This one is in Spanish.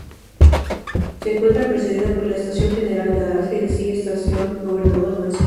Se encuentra precedida por la Estación General Galarza y le sigue Estación Gobernador Mansilla.